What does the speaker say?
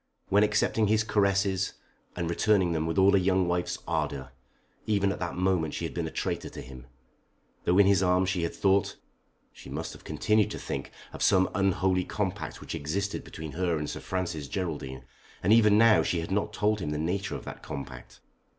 When accepting his caresses, and returning them with all a young wife's ardour, even at that moment she had been a traitor to him. Though in his arms she had thought, she must have continued to think, of some unholy compact which existed between her and Sir Francis Geraldine. And even now she had not told him the nature of that compact.